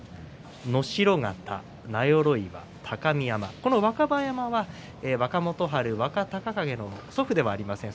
能代潟、名寄岩、高見山若葉山は若元春と若隆景の祖父ではありません。